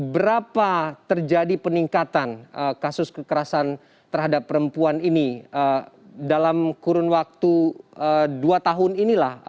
berapa terjadi peningkatan kasus kekerasan terhadap perempuan ini dalam kurun waktu dua tahun inilah